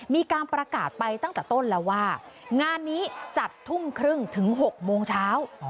มีการประกาศไปตั้งแต่ต้นแล้วว่างานนี้จัดทุ่มครึ่งถึง๖โมงเช้า